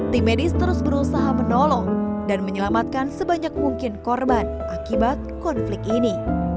tim medis terus berusaha menolong dan menyelamatkan sebanyak mungkin korban akibat konflik ini